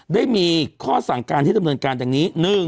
ได้มีข้อสั่งการให้ดำเนินการดังนี้